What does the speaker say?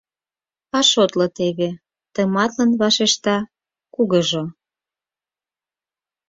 — А шотло теве, — тыматлын вашешта кугыжо.